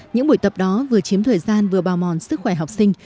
những buổi tập đó vừa chiếm thời gian vừa bào mòn sức khỏe học sinh